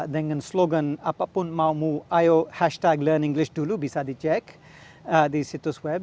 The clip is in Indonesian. dengan slogan apapun mau mu ayo hashtag learn english dulu bisa dicek di situs web